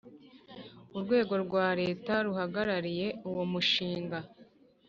urwego rwa Leta ruhagarariye uwo mushinga